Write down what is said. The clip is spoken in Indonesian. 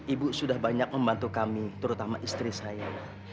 ibu sudah banyak membantu kami terutama istri saya